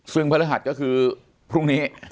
ซึ่งพระฤหัสก็คือพรุ่งนี้